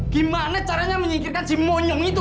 gimana caranya menyingkirkan si monyeng itu